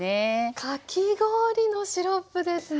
かき氷のシロップですね。